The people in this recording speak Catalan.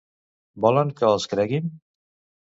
Volen que els creguin?